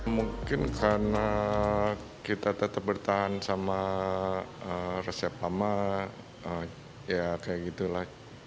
mungkin karena kita tetap bertahan sama resep lama ya kayak gitu lah